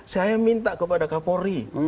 saya minta kepada kapolri